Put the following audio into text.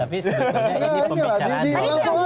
tapi sebetulnya ini pembicaraan